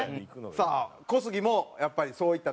さあ小杉もやっぱりそういったところ？